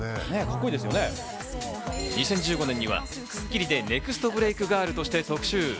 ２０１５年には『スッキリ』でネクストブレークガールとして特集。